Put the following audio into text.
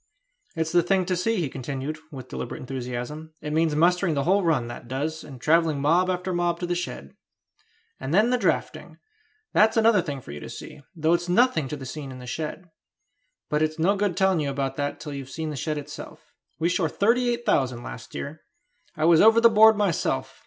"It's the thing to see," he continued, with deliberate enthusiasm: "it means mustering the whole run, that does, and travelling mob after mob to the shed; and then the drafting; that's another thing for you to see, though it's nothing to the scene in the shed. But it's no good telling you about that till you've seen the shed itself. We shore thirty eight thousand last year. I was over the board myself.